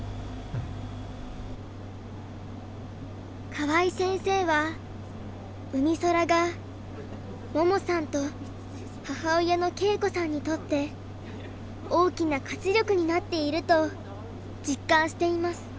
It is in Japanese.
河合先生はうみそらが桃さんと母親の恵子さんにとって大きな活力になっていると実感しています。